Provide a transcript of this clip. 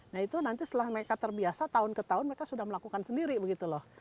nah itu nanti setelah mereka terbiasa tahun ke tahun mereka sudah melakukan sendiri begitu loh